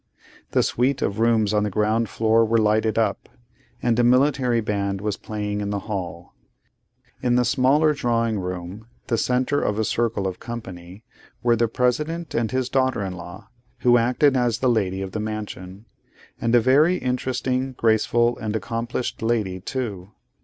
The suite of rooms on the ground floor were lighted up, and a military band was playing in the hall. In the smaller drawing room, the centre of a circle of company, were the President and his daughter in law, who acted as the lady of the mansion; and a very interesting, graceful, and accomplished lady too.